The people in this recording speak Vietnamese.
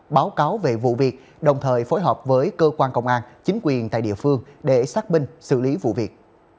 báo cáo về vụ việc đồng thời phối hợp với cơ quan công an chính quyền tại địa phương để xác binh xử lý vụ việc